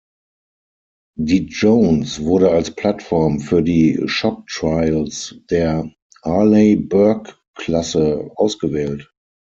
Die "Jones" wurde als Plattform für die "Shock Trials" der "Arleigh-Burke-Klasse" ausgewählt.